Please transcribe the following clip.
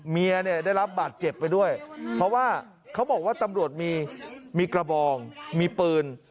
เมียเนี่ยได้รับบาดเจ็บไปด้วยเพราะว่าเขาบอกว่าตำรวจมีกระบองมีปืน